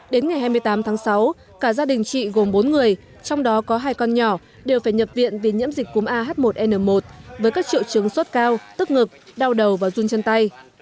đến ngày hai mươi tám tháng sáu cả gia đình chị gồm bốn người trong đó có hai con nhỏ đều phải nhập viện vì nhiễm dịch cúm ah một n một với các triệu chứng sốt cao tức ngực đau đầu và run chân tay